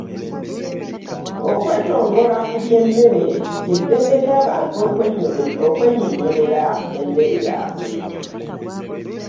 Okwetongola mu by’emmere ly’eddembe ly’abantu okwennyonnyolera emmere yaabwe.